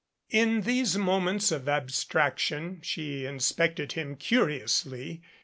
In these moments of abstraction she inspected him curiously.